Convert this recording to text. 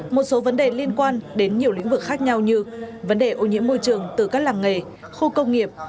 một số vấn đề liên quan đến nhiều lĩnh vực khác nhau như vấn đề ô nhiễm môi trường từ các làng nghề khu công nghiệp